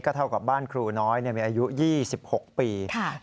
เท่ากับบ้านครูน้อยมีอายุ๒๖ปี